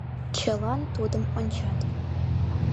Чылан тудым ончат.